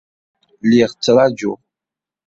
Lliɣ ttṛajuɣ.